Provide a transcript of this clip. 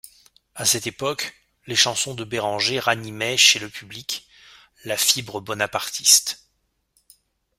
À cette époque, les chansons de Béranger ranimaient chez le public la fibre bonapartiste.